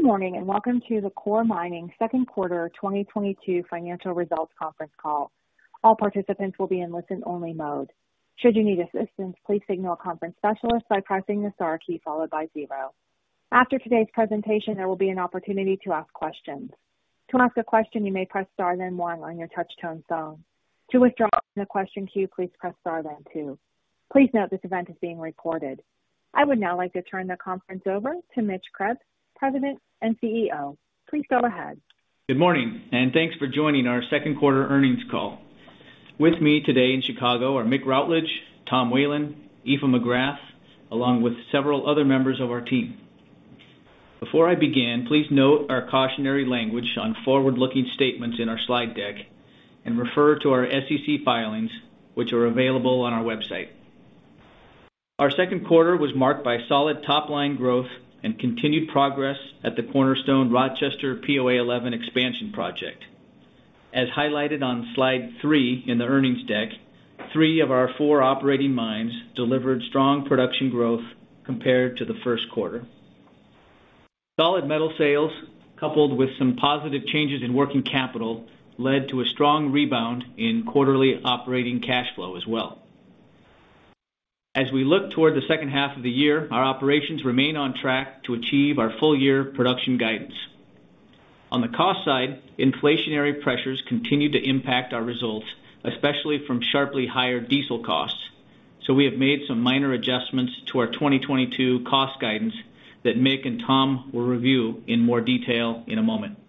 Good morning, and welcome to the Coeur Mining Second Quarter 2022 Financial Results Conference Call. All participants will be in listen-only mode. Should you need assistance, please signal a conference specialist by pressing the star key followed by zero. After today's presentation, there will be an opportunity to ask questions. To ask a question, you may press Star then one on your touchtone phone. To withdraw from the question queue, please press Star then two. Please note this event is being recorded. I would now like to turn the conference over to Mitchell J. Krebs, President and CEO. Please go ahead. Good morning, and thanks for joining our second quarter earnings call. With me today in Chicago are Mick Routledge, Tom Whelan, Aoife McGrath, along with several other members of our team. Before I begin, please note our cautionary language on forward-looking statements in our slide deck and refer to our SEC filings, which are available on our website. Our second quarter was marked by solid top-line growth and continued progress at the cornerstone Rochester POA11 expansion project. As highlighted on slide three in the earnings deck, three of our four operating mines delivered strong production growth compared to the first quarter. Solid metal sales, coupled with some positive changes in working capital, led to a strong rebound in quarterly operating cash flow as well. As we look toward the second half of the year, our operations remain on track to achieve our full year production guidance. On the cost side, inflationary pressures continue to impact our results, especially from sharply higher diesel costs. We have made some minor adjustments to our 2022 cost guidance that Mick and Tom will review in more detail in a moment.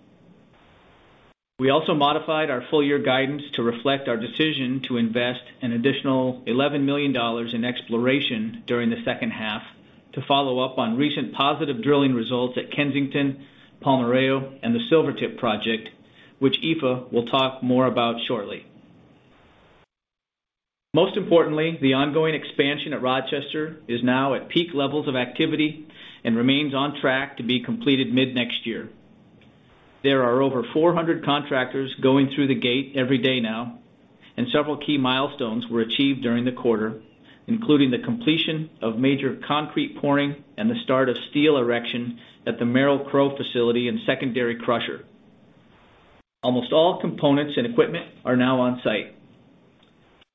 We also modified our full year guidance to reflect our decision to invest an additional $11 million in exploration during the second half to follow up on recent positive drilling results at Kensington, Palmarejo, Silvertip project, which Aoife will talk more about shortly. Most importantly, the ongoing expansion at Rochester is now at peak levels of activity and remains on track to be completed mid-next year. There are over 400 contractors going through the gate every day now, and several key milestones were achieved during the quarter, including the completion of major concrete pouring and the start of steel erection at the Merrill-Crowe facility and secondary crusher. Almost all components and equipment are now on-site.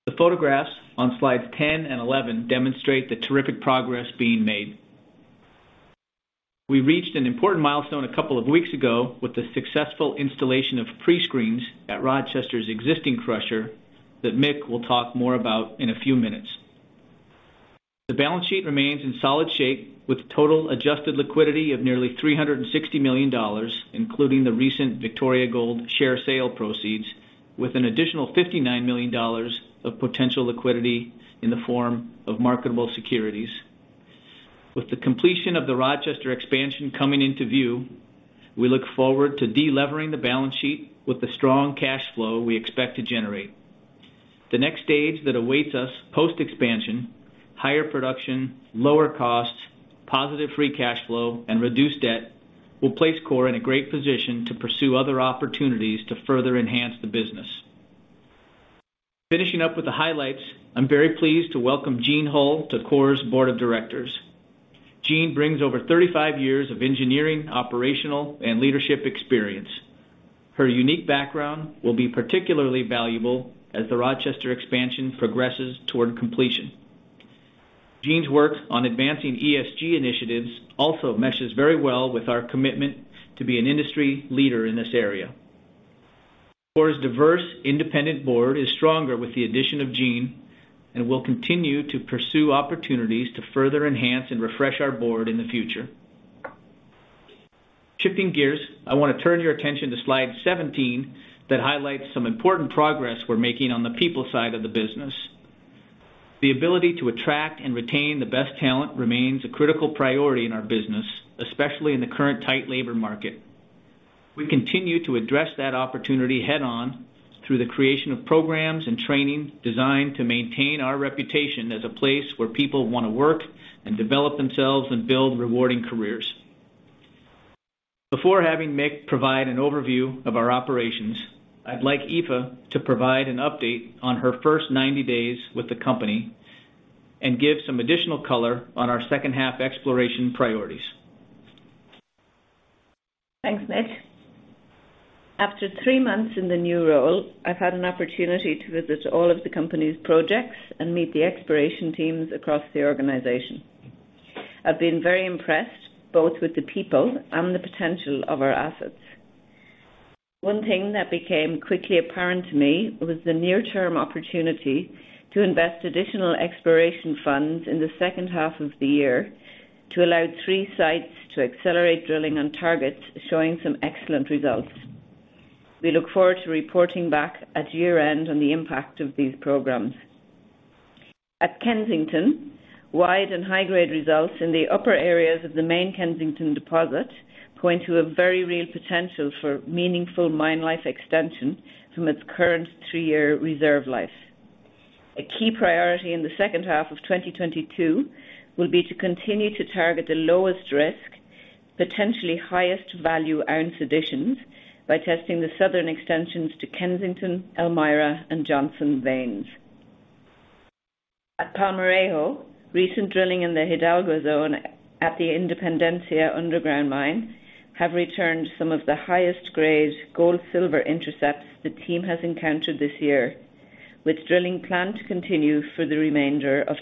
The photographs on slides 10 and 11 demonstrate the terrific progress being made. We reached an important milestone a couple of weeks ago with the successful installation of pre-screens at Rochester's existing crusher that Mick will talk more about in a few minutes. The balance sheet remains in solid shape with total adjusted liquidity of nearly $360 million, including the recent Victoria Gold Corp. share sale proceeds, with an additional $59 million of potential liquidity in the form of marketable securities. With the completion of the Rochester expansion coming into view, we look forward to delevering the balance sheet with the strong cash flow we expect to generate. The next stage that awaits us post-expansion, higher production, lower costs, positive free cash flow, and reduced debt, will place Coeur in a great position to pursue other opportunities to further enhance the business. Finishing up with the highlights, I'm very pleased to welcome Jeane Hull to Coeur's board of directors. Jeane brings over 35 years of engineering, operational, and leadership experience. Her unique background will be particularly valuable as the Rochester expansion progresses toward completion. Jeane's work on advancing ESG initiatives also meshes very well with our commitment to be an industry leader in this area. Coeur's diverse independent board is stronger with the addition of Jeane and will continue to pursue opportunities to further enhance and refresh our board in the future. Shifting gears, I wanna turn your attention to slide 17 that highlights some important progress we're making on the people side of the business. The ability to attract and retain the best talent remains a critical priority in our business, especially in the current tight labor market. We continue to address that opportunity head on through the creation of programs and training designed to maintain our reputation as a place where people wanna work and develop themselves and build rewarding careers. Before having Mick provide an overview of our operations, I'd like Aoife to provide an update on her first 90 days with the company and give some additional color on our second-half exploration priorities. Thanks, Mitch. After three months in the new role, I've had an opportunity to visit all of the company's projects and meet the exploration teams across the organization. I've been very impressed both with the people and the potential of our assets. One thing that became quickly apparent to me was the near-term opportunity to invest additional exploration funds in the second half of the year to allow three sites to accelerate drilling on targets showing some excellent results. We look forward to reporting back at year-end on the impact of these programs. At Kensington, wide and high-grade results in the upper areas of the main Kensington deposit point to a very real potential for meaningful mine life extension from its current three year reserve life. A key priority in the second half of 2022 will be to continue to target the lowest risk, potentially highest value earned additions by testing the southern extensions to Kensington, Elmira, and Johnson veins. At Palmarejo, recent drilling in the Hidalgo zone at the Independencia underground mine have returned some of the highest grade gold-silver intercepts the team has encountered this year, with drilling planned to continue for the remainder of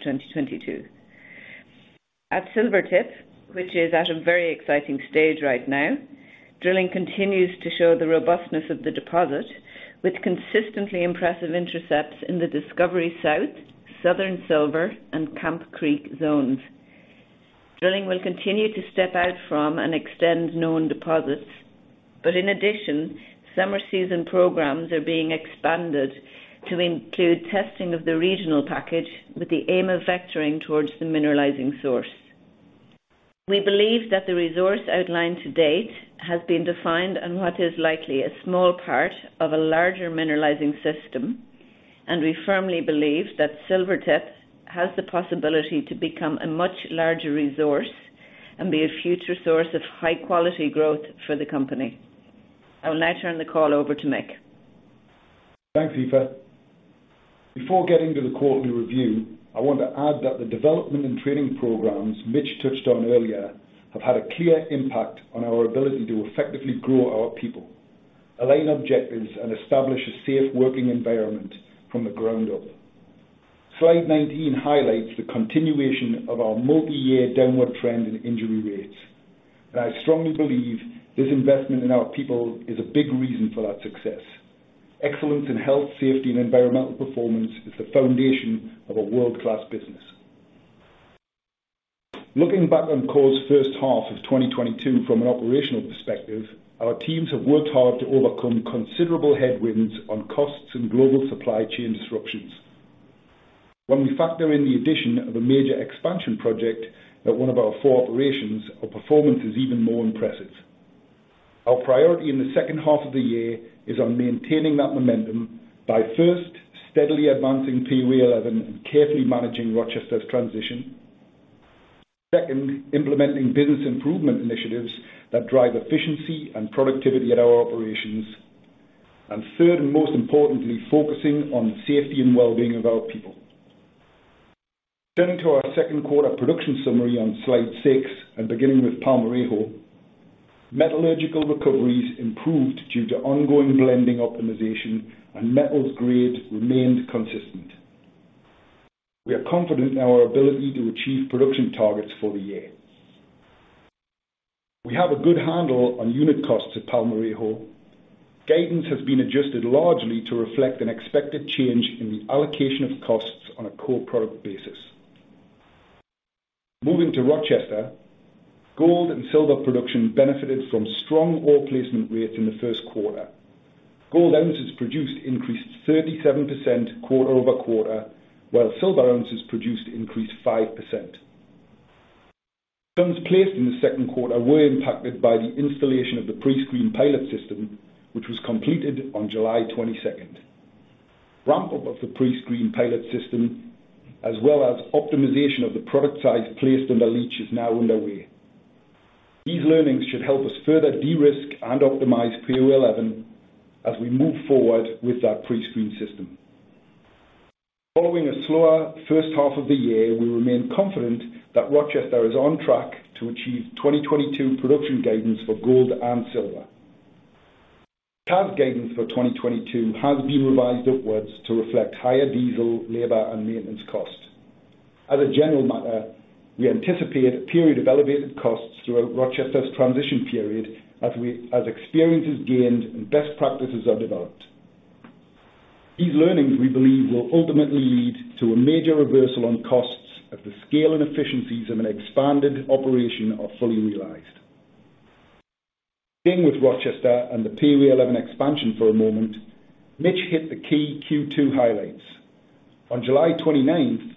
Silvertip, which is at a very exciting stage right now, drilling continues to show the robustness of the deposit, with consistently impressive intercepts in the Discovery South, Southern Silver and Camp Creek zones. Drilling will continue to step out from and extend known deposits, but in addition, summer season programs are being expanded to include testing of the regional package with the aim of vectoring towards the mineralizing source. We believe that the resource outlined to date has been defined on what is likely a small part of a larger mineralizing system, and we firmly Silvertip has the possibility to become a much larger resource and be a future source of high quality growth for the company. I will now turn the call over to Mick. Thanks, Aoife. Before getting to the quarterly review, I want to add that the development and training programs Mitch touched on earlier have had a clear impact on our ability to effectively grow our people, align objectives and establish a safe working environment from the ground up. Slide 19 highlights the continuation of our multi-year downward trend in injury rates, and I strongly believe this investment in our people is a big reason for that success. Excellence in health, safety and environmental performance is the foundation of a world-class business. Looking back on Coeur's first half of 2022 from an operational perspective, our teams have worked hard to overcome considerable headwinds on costs and global supply chain disruptions. When we factor in the addition of a major expansion project at one of our four operations, our performance is even more impressive. Our priority in the second half of the year is on maintaining that momentum by first, steadily POA 11 and carefully managing Rochester's transition. Second, implementing business improvement initiatives that drive efficiency and productivity at our operations. Third, and most importantly, focusing on safety and well-being of our people. Turning to our second quarter production summary on slide six, and beginning with Palmarejo, metallurgical recoveries improved due to ongoing blending optimization and metals grade remained consistent. We are confident in our ability to achieve production targets for the year. We have a good handle on unit costs at Palmarejo. Guidance has been adjusted largely to reflect an expected change in the allocation of costs on a core product basis. Moving to Rochester, gold and silver production benefited from strong ore placement rates in the first quarter. Gold ounces produced increased 37% QoQ, while silver ounces produced increased 5%. Tons placed in the second quarter were impacted by the installation of the pre-screen pilot system, which was completed on July 22. Ramp-up of the pre-screen pilot system as well as optimization of the product size placed in the leach is now underway. These learnings should help us further de-risk and POA 11 as we move forward with that pre-screen system. Following a slower first half of the year, we remain confident that Rochester is on track to achieve 2022 production guidance for gold and silver. Cash guidance for 2022 has been revised upwards to reflect higher diesel, labor, and maintenance costs. As a general matter, we anticipate a period of elevated costs throughout Rochester's transition period as experience is gained and best practices are developed. These learnings, we believe, will ultimately lead to a major reversal on costs as the scale and efficiencies of an expanded operation are fully realized. Staying with Rochester and POA 11 expansion for a moment, Mitch hit the key Q2 highlights. On July 29th,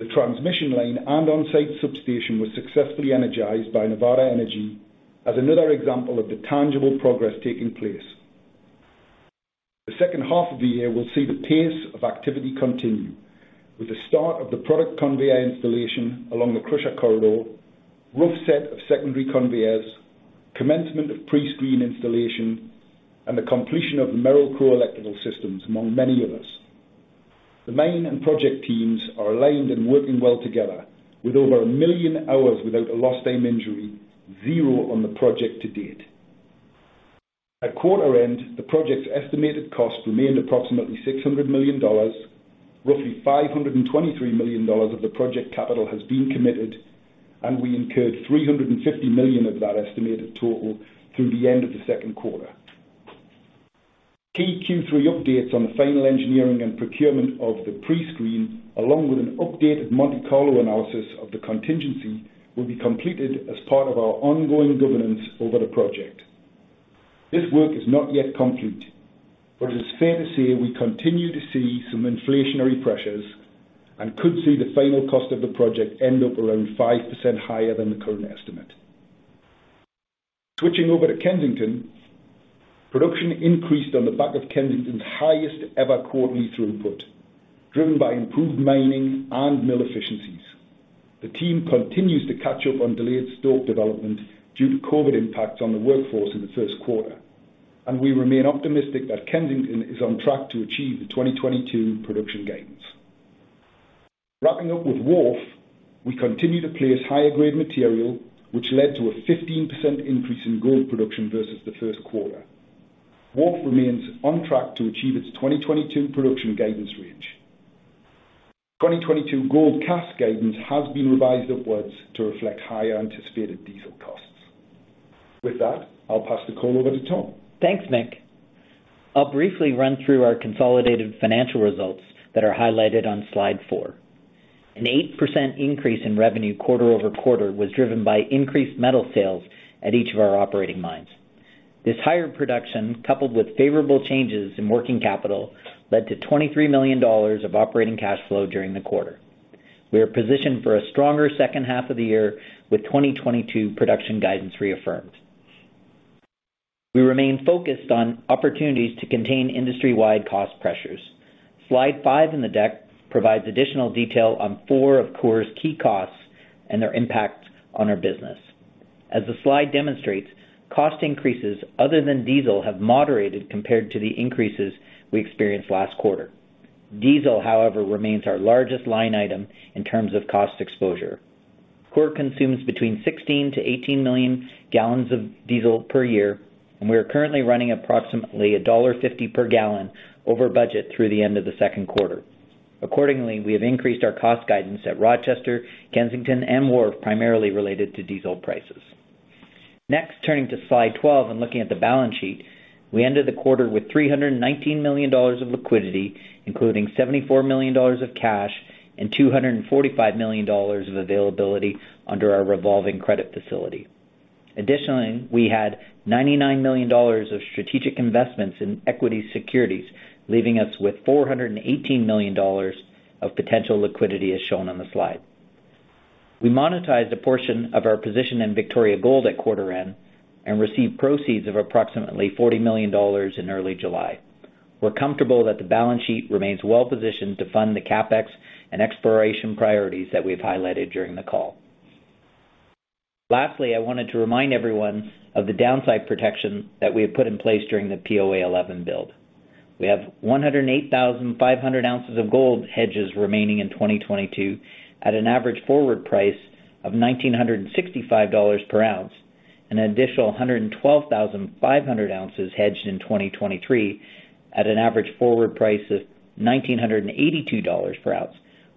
the transmission line and on-site substation was successfully energized by NV Energy as another example of the tangible progress taking place. The second half of the year will see the pace of activity continue with the start of the product conveyor installation along the crusher corridor, roof set of secondary conveyors, commencement of pre-screen installation, and the completion of the Merrill-Crowe electrical systems, among many others. The main and project teams are aligned and working well together with over 1 million hours without a lost time injury, zero on the project to date. At quarter end, the project's estimated cost remained approximately $600 million. Roughly $523 million of the project capital has been committed, and we incurred $350 million of that estimated total through the end of the second quarter. Key Q3 updates on the final engineering and procurement of the pre-screen, along with an updated Monte Carlo analysis of the contingency, will be completed as part of our ongoing governance over the project. This work is not yet complete, but it is fair to say we continue to see some inflationary pressures and could see the final cost of the project end up around 5% higher than the current estimate. Switching over to Kensington, production increased on the back of Kensington's highest ever quarterly throughput, driven by improved mining and mill efficiencies. The team continues to catch up on delayed stope development due to COVID impacts on the workforce in the first quarter. We remain optimistic that Kensington is on track to achieve the 2022 production guidance. Wrapping up with Wharf, we continue to place higher grade material, which led to a 15% increase in gold production versus the first quarter. Wharf remains on track to achieve its 2022 production guidance range. 2022 gold CAS guidance has been revised upwards to reflect higher anticipated diesel costs. With that, I'll pass the call over to Tom. Thanks, Mick. I'll briefly run through our consolidated financial results that are highlighted on slide four. An 8% increase in revenue QoQ was driven by increased metal sales at each of our operating mines. This higher production, coupled with favorable changes in working capital, led to $23 million of operating cash flow during the quarter. We are positioned for a stronger second half of the year with 2022 production guidance reaffirmed. We remain focused on opportunities to contain industry-wide cost pressures. Slide five in the deck provides additional detail on four of Coeur's key costs and their impact on our business. As the slide demonstrates, cost increases other than diesel have moderated compared to the increases we experienced last quarter. Diesel, however, remains our largest line item in terms of cost exposure. Coeur consumes between 16 million-18 million gals of diesel per year, and we are currently running approximately $1.50 million per gal over budget through the end of the second quarter. Accordingly, we have increased our cost guidance at Rochester, Kensington and Wharf, primarily related to diesel prices. Next, turning to slide 12 and looking at the balance sheet, we ended the quarter with $319 million of liquidity, including $74 million of cash and $245 million of availability under our revolving credit facility. Additionally, we had $99 million of strategic investments in equity securities, leaving us with $418 million of potential liquidity as shown on the slide. We monetized a portion of our position in Victoria Gold at quarter end and received proceeds of approximately $40 million in early July. We're comfortable that the balance sheet remains well-positioned to fund the CapEx and exploration priorities that we've highlighted during the call. Lastly, I wanted to remind everyone of the downside protection that we have put in place POA 11 build. We have 108,500 ounces of gold hedges remaining in 2022 at an average forward price of $1,965 per ounce, and an additional 112,500 ounces hedged in 2023 at an average forward price of $1,982 per ounce,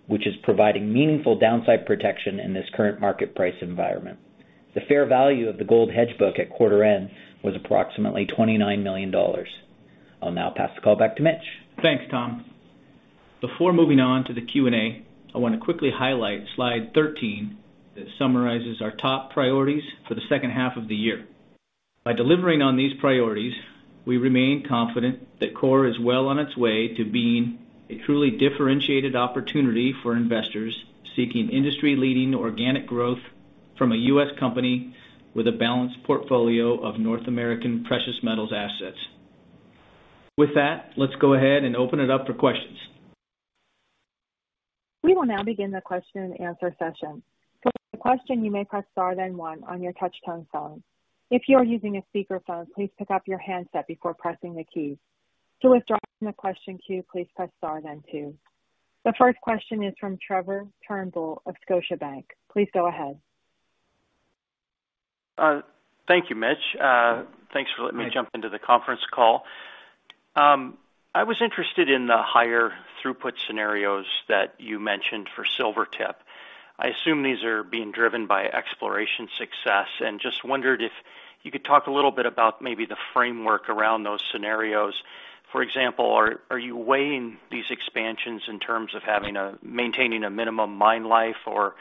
which is providing meaningful downside protection in this current market price environment. The fair value of the gold hedge book at quarter end was approximately $29 million. I'll now pass the call back to Mitch. Thanks, Tom. Before moving on to the Q&A, I wanna quickly highlight slide 13 that summarizes our top priorities for the second half of the year. By delivering on these priorities, we remain confident that Coeur is well on its way to being a truly differentiated opportunity for investors seeking industry-leading organic growth from a U.S. company with a balanced portfolio of North American precious metals assets. With that, let's go ahead and open it up for questions. We will now begin the question and answer session. To ask a question, you may press star one on your touch tone phone. If you are using a speakerphone, please pick up your handset before pressing the keys. To withdraw from the question queue, please press star then two. The first question is from Trevor Turnbull of Scotiabank. Please go ahead. Thank you, Mitch. Thanks for letting me jump into the conference call. I was interested in the higher throughput scenarios that you Silvertip. I assume these are being driven by exploration success. Just wondered if you could talk a little bit about maybe the framework around those scenarios. For example, are you weighing these expansions in terms of maintaining a minimum mine life, or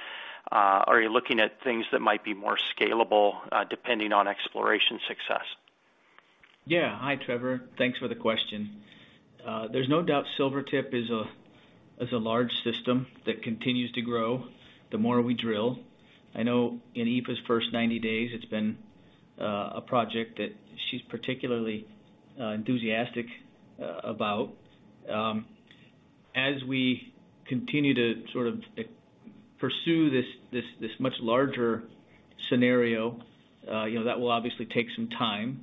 are you looking at things that might be more scalable depending on exploration success? Yeah. Hi, Trevor. Thanks for the question. There's Silvertip is a large system that continues to grow the more we drill. I know in Aoife's first 90 days, it's been a project that she's particularly enthusiastic about. As we continue to sort of pursue this much larger scenario, you know, that will obviously take some time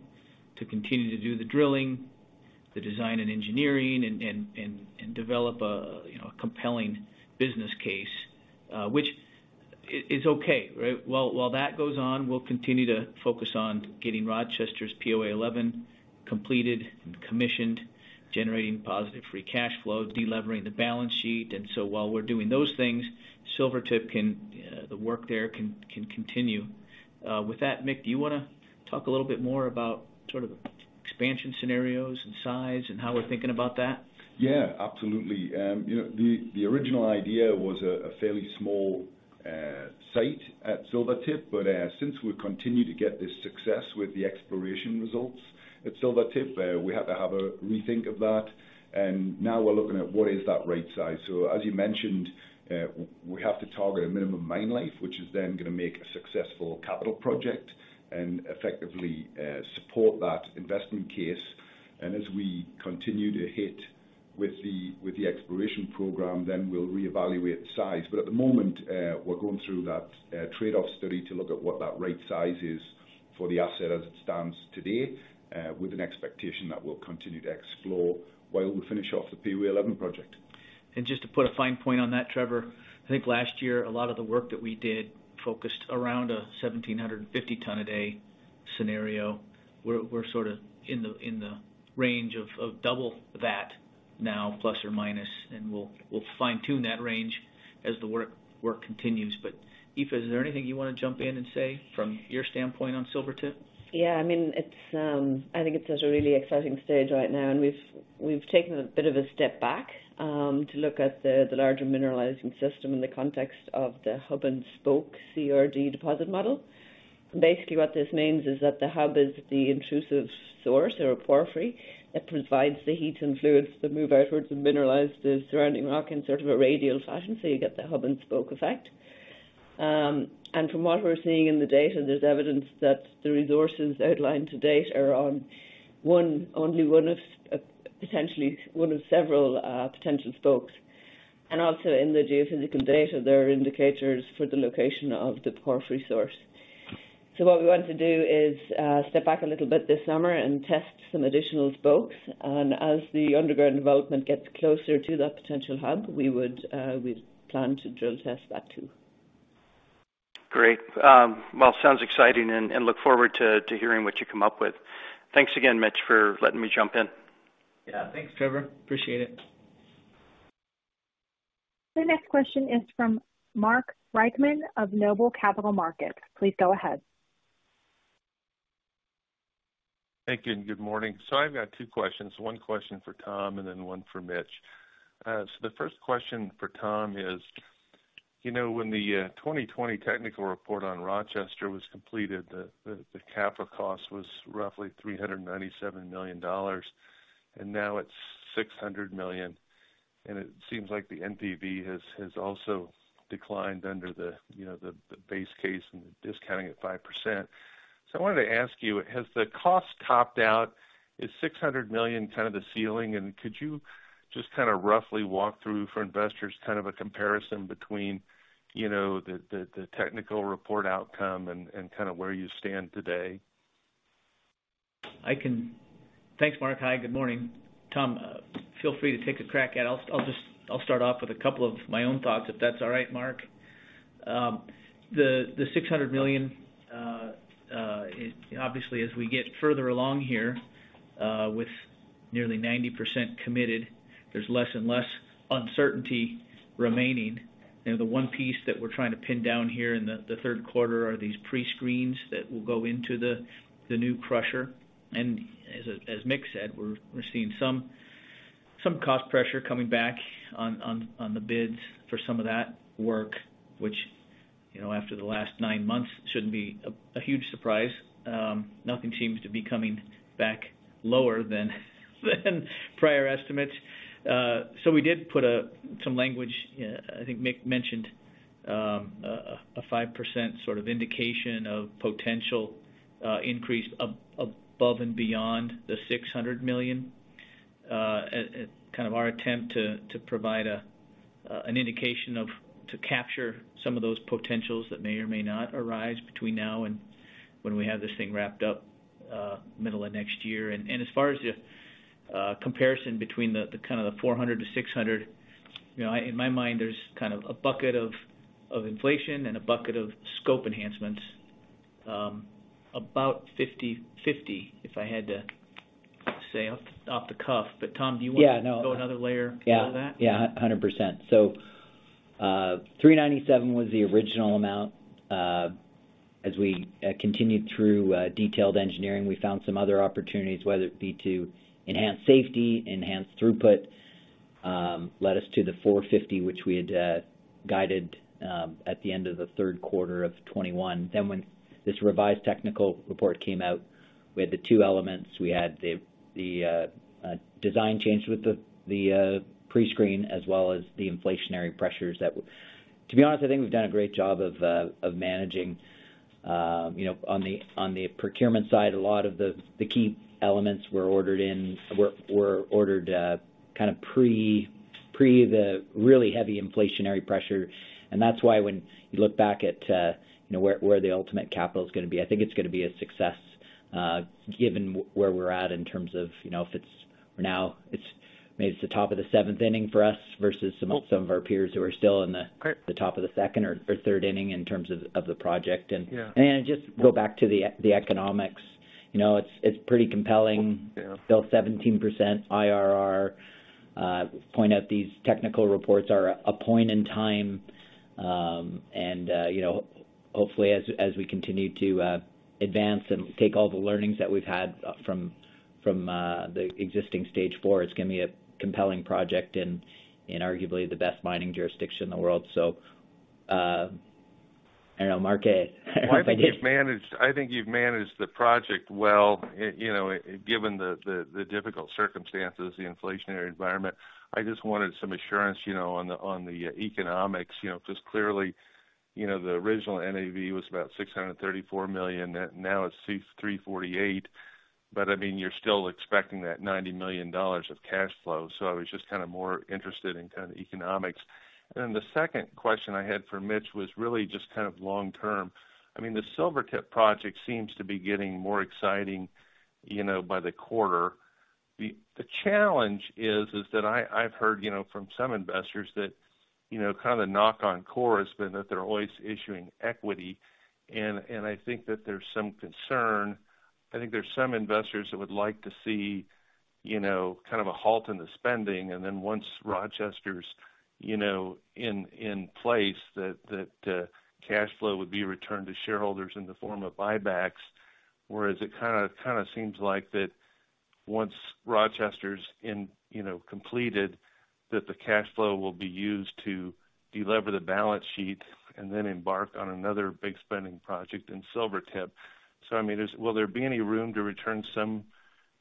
to continue to do the drilling, the design and engineering, and develop a, you know, a compelling business case, which is okay, right? While that goes on, we'll continue to focus on POA 11 completed and commissioned, generating positive free cash flow, delevering the balance sheet. While we're doing Silvertip can, the work there can continue. With that, Mick, do you wanna talk a little bit more about sort of expansion scenarios and size and how we're thinking about that? Yeah, absolutely. You know, the original idea was a fairly small Silvertip. Since we continue to get this success with the exploration Silvertip, we have to have a rethink of that. Now we're looking at what is that right size. As you mentioned, we have to target a minimum mine life, which is then gonna make a successful capital project and effectively support that investment case. As we continue to hit With the exploration program, then we'll reevaluate size. At the moment, we're going through that trade-off study to look at what that right size is for the asset as it stands today, with an expectation that we'll continue to explore while we finish off POA 11 project. Just to put a fine point on that, Trevor, I think last year, a lot of the work that we did focused around a 1,750 ton a day scenario. We're sort of in the range of double that now, plus or minus, and we'll fine-tune that range as the work continues. Aoife, is there anything you want to jump in and say from your standpoint on Silvertip? Yeah, I mean, it's at a really exciting stage right now, and we've taken a bit of a step back to look at the larger mineralizing system in the context of the hub-and-spoke CRD deposit model. Basically, what this means is that the hub is the intrusive source or a porphyry that provides the heat and fluids that move outwards and mineralize the surrounding rock in sort of a radial fashion, so you get the hub-and-spoke effect. From what we're seeing in the data, there's evidence that the resources outlined to date are on only one of potentially several potential spokes. Also in the geophysical data, there are indicators for the location of the porphyry source. What we want to do is step back a little bit this summer and test some additional spokes. As the underground development gets closer to that potential hub, we would, we plan to drill test that too. Great. Well, sounds exciting and look forward to hearing what you come up with. Thanks again, Mitch, for letting me jump in. Yeah. Thanks, Trevor. Appreciate it. The next question is from Mark Reichman of Noble Capital Markets. Please go ahead. Thank you. Good morning. I've got two questions, one question for Tom and then one for Mitch. The first question for Tom is, you know, when the 2020 technical report on Rochester was completed, the capital cost was roughly $397 million, and now it's $600 million. It seems like the NPV has also declined under the base case and the discounting at 5%. I wanted to ask you, has the cost topped out? Is $600 million kind of the ceiling, and could you just kind of roughly walk through for investors kind of a comparison between the technical report outcome and kind of where you stand today? Thanks, Mark. Hi, good morning. Tom, feel free to take a crack at it. I'll just start off with a couple of my own thoughts, if that's all right, Mark. The $600 million, obviously, as we get further along here, with nearly 90% committed, there's less and less uncertainty remaining. You know, the one piece that we're trying to pin down here in the third quarter are these pre-screens that will go into the new crusher. As Mick said, we're seeing some cost pressure coming back on the bids for some of that work, which, you know, after the last nine months shouldn't be a huge surprise. Nothing seems to be coming back lower than prior estimates. We did put some language, I think Mick mentioned, a 5% sort of indication of potential increase above and beyond the $600 million, kind of our attempt to provide an indication to capture some of those potentials that may or may not arise between now and when we have this thing wrapped up, middle of next year. As far as the comparison between the $400 million-$600 million, you know, in my mind, there's kind of a bucket of inflation and a bucket of scope enhancements, about 50-50 if I had to say off the cuff. Tom, do you want to go another layer below that? Yeah. 100%. $397 was the original amount. As we continued through detailed engineering, we found some other opportunities, whether it be to enhance safety, enhance throughput, led us to the $450, which we had guided at the end of the third quarter of 2021. When this revised technical report came out, we had the two elements. We had the design change with the pre-screen as well as the inflationary pressures. To be honest, I think we've done a great job of managing, you know, on the procurement side. A lot of the key elements were ordered kind of pre the really heavy inflationary pressure. That's why when you look back at, you know, where the ultimate capital is gonna be, I think it's gonna be a success, given where we're at in terms of, you know, if it's now, it's maybe the top of the seventh inning for us versus some of our peers who are still in the top of the second or third inning in terms of the project. Yeah. Just go back to the economics. You know, it's pretty compelling. Yeah. Still 17% IRR. Point out these technical reports are a point in time, and you know, hopefully, as we continue to advance and take all the learnings that we've had from the existing stage four, it's gonna be a compelling project in arguably the best mining jurisdiction in the world. I don't know, Mark, I don't know if I did. I think you've managed the project well, you know, given the difficult circumstances, the inflationary environment. I just wanted some assurance, you know, on the economics. You know, just clearly. You know, the original NAV was about $634 million, that now it's $348 million. But I mean, you're still expecting that $90 million of cash flow. So I was just kind of more interested in kind of economics. Then the second question I had for Mitch was really just kind of long term. I Silvertip project seems to be getting more exciting, you know, by the quarter. The challenge is that I've heard, you know, from some investors that, you know, kind of knock on Coeur has been that they're always issuing equity. I think that there's some concern. I think there's some investors that would like to see, you know, kind of a halt in the spending. Then once Rochester's, you know, in place, that cash flow would be returned to shareholders in the form of buybacks. Whereas it kind of seems like that once Rochester's in, you know, completed, that the cash flow will be used to delever the balance sheet and then embark on another big spending Silvertip. I mean, will there be any room to return some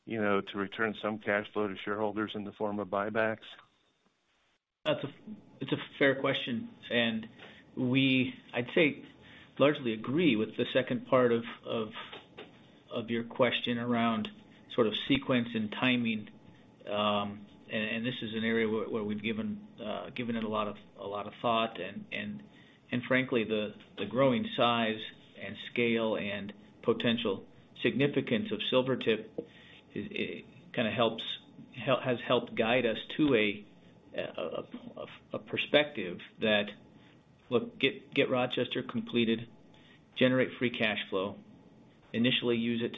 cash flow to shareholders in the form of buybacks? That's a fair question, and we, I'd say, largely agree with the second part of your question around sort of sequence and timing. This is an area where we've given it a lot of thought. Frankly, the growing size and scale and potential Silvertip, it kind of has helped guide us to a perspective that, look, get Rochester completed, generate free cash flow, initially use it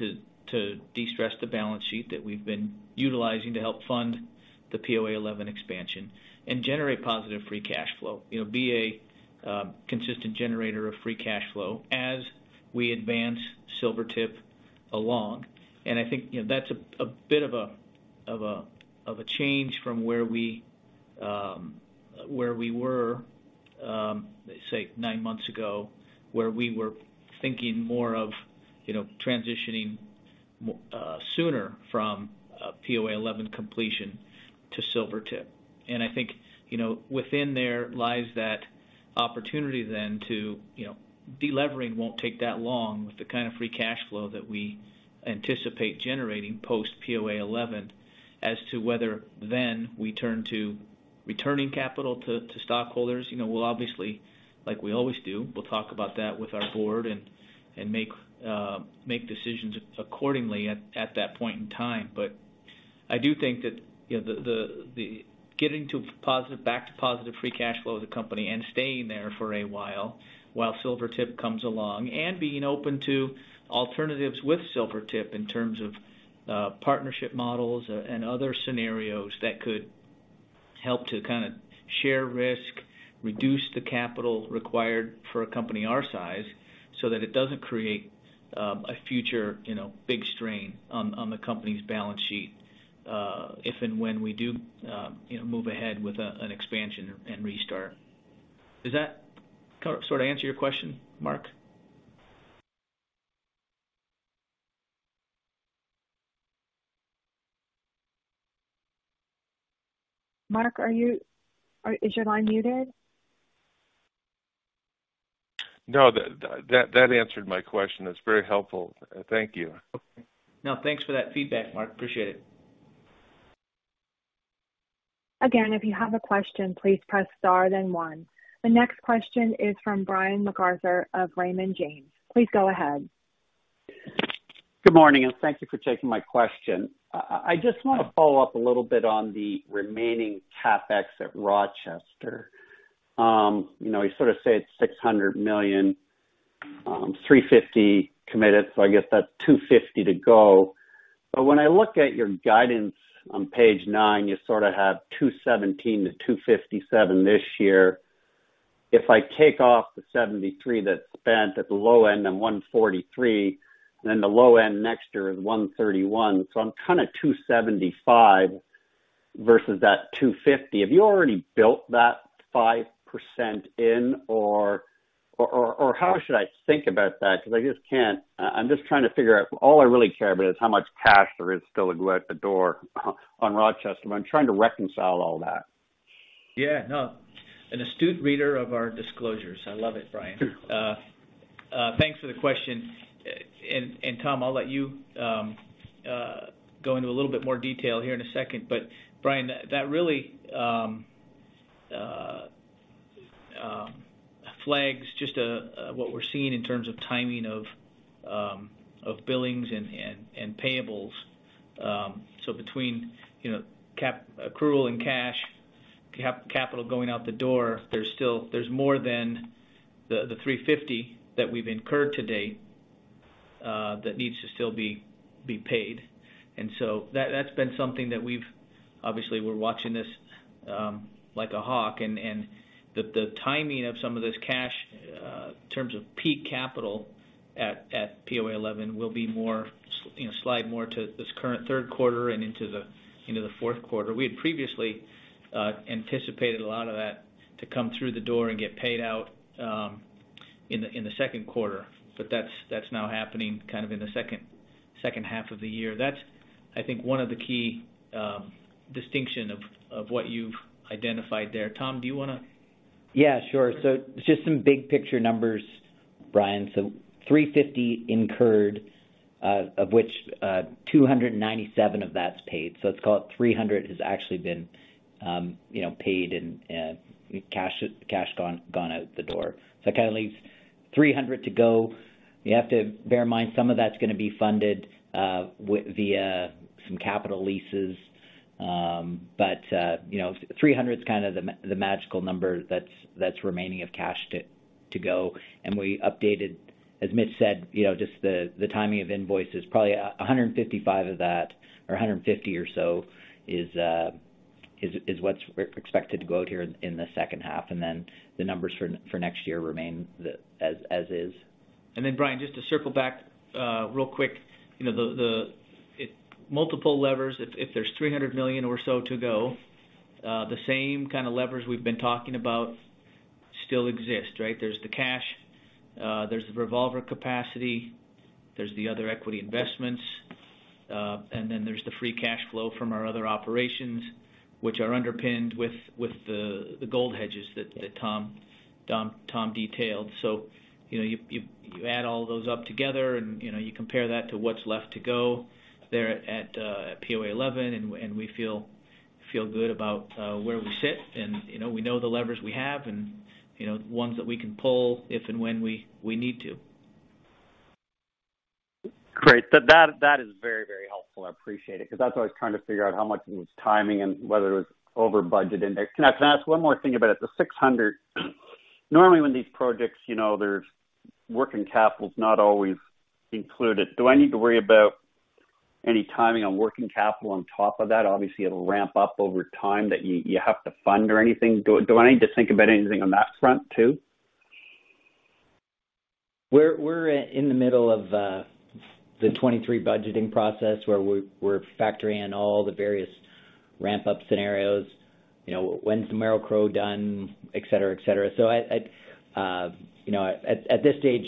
to de-stress the balance sheet that we've been utilizing to help POA 11 expansion and generate positive free cash flow. You know, be a consistent generator of free cash flow as we Silvertip along. I think, you know, that's a bit of a change from where we were, let's say nine months ago, where we were thinking more of, you know, Silvertip. I think, you know, within there lies that opportunity then to, you know, de-levering won't take that long with the kind of free cash flow that we anticipate POA 11. As to whether then we turn to returning capital to stockholders, you know, we'll obviously, like we always do, we'll talk about that with our board and make decisions accordingly at that point in time. I do think that, you know, the getting back to positive free cash flow as a company and staying there for Silvertip comes along and being open to Silvertip in terms of, partnership models and other scenarios that could help to kind of share risk, reduce the capital required for a company our size so that it doesn't create, a future, you know, big strain on the company's balance sheet, if and when we do, you know, move ahead with a, an expansion and restart. Does that sort of answer your question, Mark? Mark, is your line muted? No. That answered my question. It's very helpful. Thank you. Okay. No, thanks for that feedback, Mark. Appreciate it. Again, if you have a question, please press star then one. The next question is from Brian MacArthur of Raymond James. Please go ahead. Good morning, and thank you for taking my question. I just want to follow up a little bit on the remaining CapEx at Rochester. You know, you sort of say it's $600 million, $350 million committed, so I guess that's $250 million to go. When I look at your guidance on page nine, you sort of have $217 million-$257 million this year. If I take off the $73 million that's spent at the low end, then $143 million, then the low end next year is $131 million. I'm kind of $275 million versus that $250 million. Have you already built that 5% in or how should I think about that? Because I just can't. I'm just trying to figure out. All I really care about is how much cash there is still to go out the door on Rochester, but I'm trying to reconcile all that. Yeah, no. An astute reader of our disclosures. I love it, Brian. Thanks for the question. Tom, I'll let you go into a little bit more detail here in a second. Brian, that really flags just what we're seeing in terms of timing of billings and payables. Between you know CapEx accrual and cash CapEx going out the door, there's still more than the $350 that we've incurred to date that needs to still be paid. That's been something that obviously we're watching this like a hawk. The timing of some of this cash in terms of peak POA 11 will be more, you know, slide more to this current third quarter and into the fourth quarter. We had previously anticipated a lot of that to come through the door and get paid out in the second quarter. That's now happening kind of in the second half of the year. That's I think one of the key distinction of what you've identified there. Tom, do you wanna? Yeah, sure. Just some big picture numbers, Brian. $350 incurred, of which, $297 of that's paid. Let's call it $300 has actually been, you know, paid and, cash gone out the door. That kind of leaves $300 to go. You have to bear in mind some of that's gonna be funded via some capital leases. But, you know, $300's kind of the magical number that's remaining of cash to go. We updated, as Mitch said, you know, just the timing of invoices, probably $155 of that or $150 or so is what's expected to go out here in the second half. The numbers for next year remain as is. Brian, just to circle back, real quick. You know, the multiple levers, if there's $300 million or so to go, the same kind of levers we've been talking about still exist, right? There's the cash, there's the revolver capacity, there's the other equity investments, and then there's the free cash flow from our other operations which are underpinned with the gold hedges that Tom detailed. You know, you add all those up together and you compare that to what's left to go there POA 11 and we feel good about where we sit. You know, we know the levers we have and ones that we can pull if and when we need to. Great. That is very, very helpful. I appreciate it, 'cause that's what I was trying to figure out, how much of it was timing and whether it was over budget index. Can I ask one more thing about it? The $600, normally, when these projects, you know, working capital is not always included. Do I need to worry about any timing on working capital on top of that? Obviously, it'll ramp up over time that you have to fund or anything. Do I need to think about anything on that front too? We're in the middle of the 2023 budgeting process where we're factoring in all the various ramp up scenarios. You know, when's the Merrill-Crowe done, etc., etc.. I'd, you know, at this stage,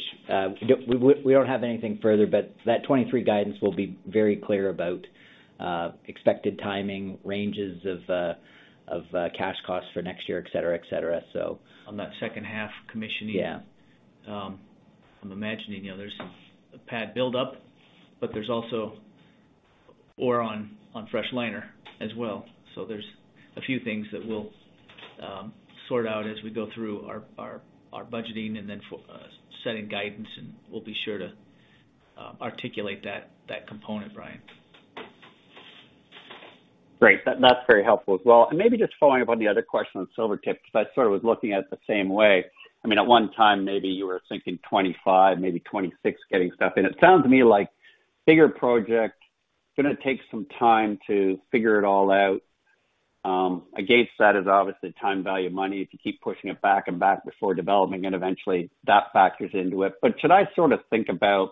we don't have anything further, but that 2023 guidance will be very clear about expected timing, ranges of cash costs for next year, etc., etc.. On that second half commissioning. Yeah. I'm imagining, you know, there's some pad build up, but there's also ore on fresh liner as well. There's a few things that we'll sort out as we go through our budgeting and then setting guidance, and we'll be sure to articulate that component, Brian. Great. That's very helpful as well. Maybe just following up on the other Silvertip, 'cause I sort of was looking at it the same way. I mean, at one time maybe you were thinking 2025, maybe 2026, getting stuff in. It sounds to me like bigger project, gonna take some time to figure it all out. Against that is obviously time value of money. If you keep pushing it back and back before developing, and eventually that factors into it. Should I sort of think about,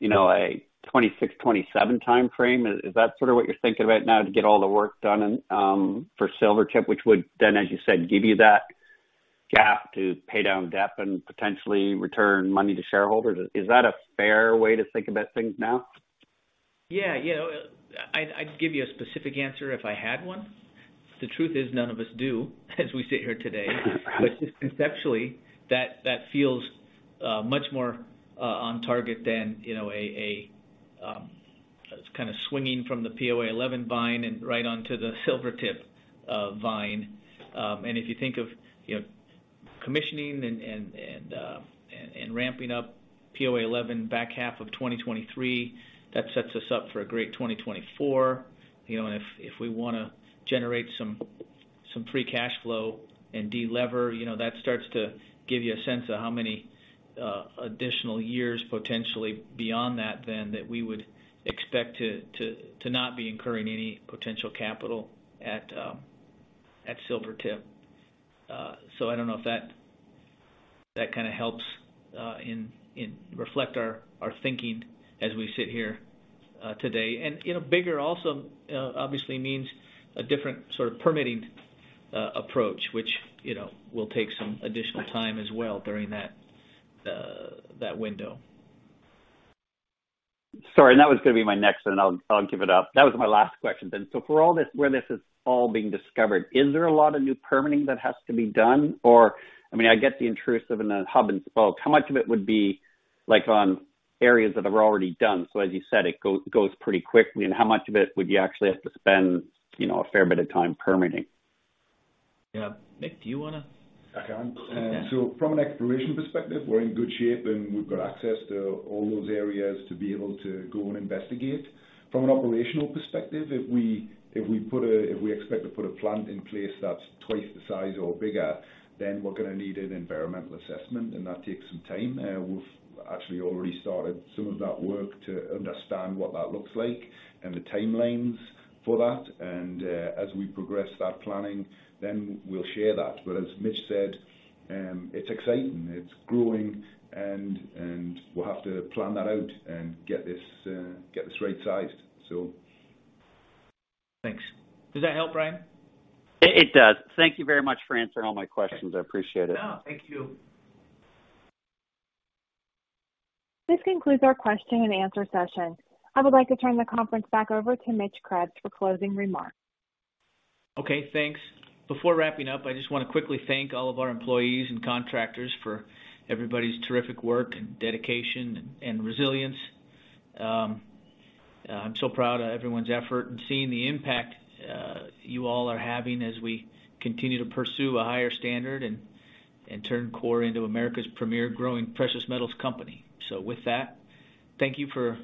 you know, a 2026-2027 timeframe? Is that sort of what you're thinking right now to get all the work done Silvertip, which would then, as you said, give you that gap to pay down debt and potentially return money to shareholders? Is that a fair way to think about things now? Yeah. You know, I'd give you a specific answer if I had one. The truth is, none of us do as we sit here today. Just conceptually, that feels much more on target than, you know, it's kind of swinging from POA 11 vine and right Silvertip vine. If you think of, you know, commissioning and ramping POA 11 back half of 2023, that sets us up for a great 2024, you know. If we wanna generate some free cash flow and delever, you know, that starts to give you a sense of how many additional years potentially beyond that then that we would expect to not be incurring any potential capital at Silvertip. I don't know if that kinda helps in reflecting our thinking as we sit here today. You know, bigger also obviously means a different sort of permitting approach, which, you know, will take some additional time as well during that window. Sorry, that was gonna be my next and I'll give it up. That was my last question then. For all this, where this is all being discovered, is there a lot of new permitting that has to be done? Or, I mean, I get the intrusive and the hub and spokes. How much of it would be like on areas that are already done? As you said, it goes pretty quickly. How much of it would you actually have to spend, you know, a fair bit of time permitting? Yeah. Mick, do you wanna? I can. From an exploration perspective, we're in good shape, and we've got access to all those areas to be able to go and investigate. From an operational perspective, if we expect to put a plant in place that's twice the size or bigger, then we're gonna need an environmental assessment, and that takes some time. We've actually already started some of that work to understand what that looks like and the timelines for that. As we progress that planning, then we'll share that. As Mitch said, it's exciting, it's growing, and we'll have to plan that out and get this right sized. Thanks. Does that help, Brian? It does. Thank you very much for answering all my questions. I appreciate it. No, thank you. This concludes our question and answer session. I would like to turn the conference back over to Mitchell Krebs for closing remarks. Okay, thanks. Before wrapping up, I just wanna quickly thank all of our employees and contractors for everybody's terrific work and dedication and resilience. I'm so proud of everyone's effort and seeing the impact you all are having as we continue to pursue a higher standard and turn Coeur into America's premier growing precious metals company. With that, thank you for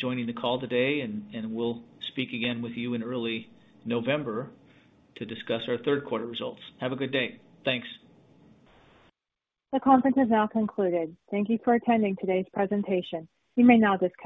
joining the call today, and we'll speak again with you in early November to discuss our third quarter results. Have a good day. Thanks. The conference is now concluded. Thank you for attending today's presentation. You may now disconnect.